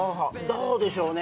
どうでしょうね。